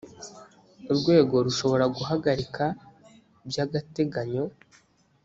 urwego rushobora guhagarika by agateganyo